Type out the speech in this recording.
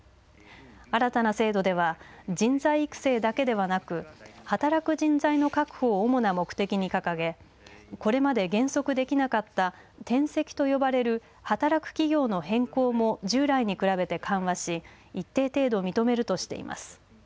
新たな制度では人材育成だけではなく働く人材の確保を主な目的に掲げ、これまで原則できなかった転籍と呼ばれる働く企業の変更も従来に比べて緩和し一定程度認めるとしています。